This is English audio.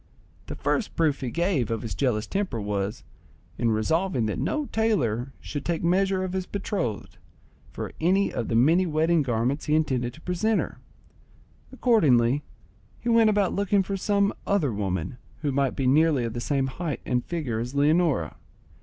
The first proof he gave of his jealous temper was, in resolving that no tailor should take measure of his betrothed for any of the many wedding garments he intended to present her. Accordingly, he went about looking for some other woman, who might be nearly of the same height and figure as Leonora.